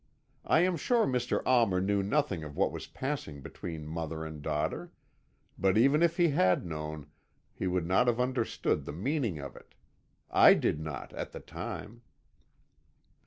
I am sure Mr. Almer knew nothing of what was passing between mother and daughter; but even if he had known he would not have understood the meaning of it I did not at the time.